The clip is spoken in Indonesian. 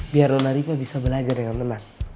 biar nona riva bisa belajar dengan tenang